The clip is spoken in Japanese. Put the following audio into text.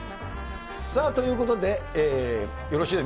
さあ、ということで、よろしいですか？